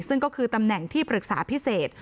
ซึ่งก็คือตำแหน่งที่ปรึกษาพิเศษ